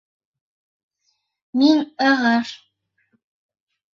Мин ығыш!